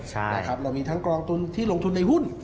เรามีทั้งกองทุนที่ลงทุนในหุ้น